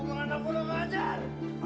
aku pengen handphone lu gak ajar